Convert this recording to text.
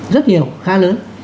rất nhiều khá lớn